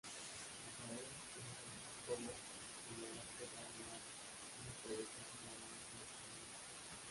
Isabel, la hija de Jacobo I, fue además una provechosa marioneta matrimonial.